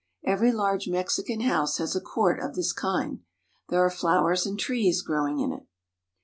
Every large Mexican house has a court of this kind. There are flowers and trees growing in it.